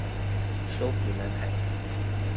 手斧男孩